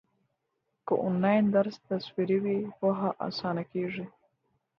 که انلاين درس تصويري وي پوهه اسانه کيږي.